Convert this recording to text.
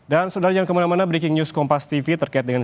dan saudara yang kemana mana breaking news kompas tv terkait dengan